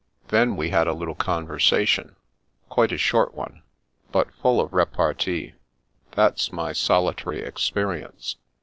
Then we had a little conversation— quite a short one — ^but full of repartee. That's my soli tary experience."